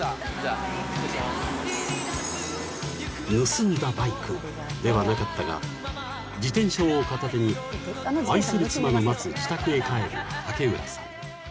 ［盗んだバイクではなかったが自転車を片手に愛する妻の待つ自宅へ帰る竹浦さん］